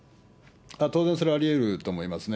当然それはありえると思いますね。